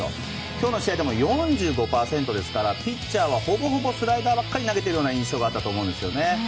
今日の試合でも４５％でしたからピッチャーはほぼスライダーばかり投げている印象があったと思うんですよね。